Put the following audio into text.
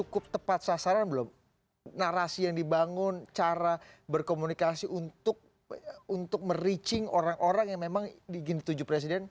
kami akan berbicara lagi